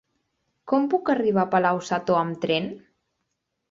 Com puc arribar a Palau-sator amb tren?